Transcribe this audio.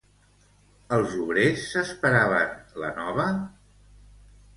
Els obrers s'esperaven la nova?